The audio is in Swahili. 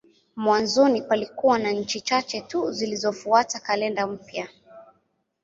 Mwanzoni palikuwa na nchi chache tu zilizofuata kalenda mpya.